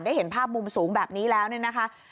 เห็นภาพมุมสูงแบบนี้แล้วเนี่ยนะคะ